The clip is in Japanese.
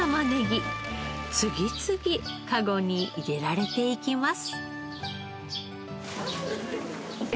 次々かごに入れられていきます。